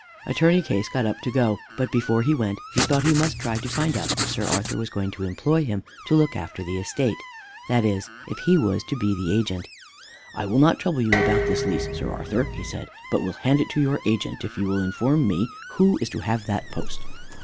Attorney Case got up to go. But before he went, he thought he must try to find out if Sir Arthur was going to employ him to look after the estate, that is, if he was to be the agent. "I will not trouble you about this lease, Sir Arthur," he said, "but will hand it to your agent, if you will inform me who is to have that post."